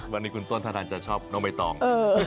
วันนี้คุณต้นท่าทางจะชอบน้องใบตอง